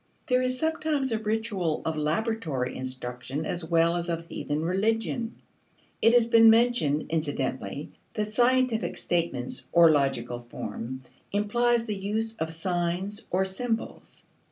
There is sometimes a ritual of laboratory instruction as well as of heathen religion. 1 It has been mentioned, incidentally, that scientific statements, or logical form, implies the use of signs or symbols.